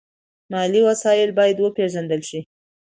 مالي وسایل باید وپیژندل شي.